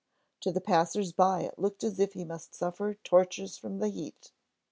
To the passers by it looked as if he must suffer tortures from the heat.